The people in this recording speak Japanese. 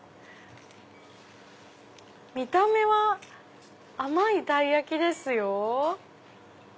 ⁉見た目は甘いたい焼きですよ。